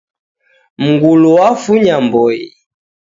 Mngulu wafunya mboi.